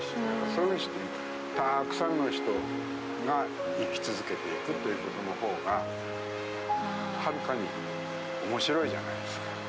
そういうふうにしてたくさんの人が生き続けていくということの方がはるかに面白いじゃないですか。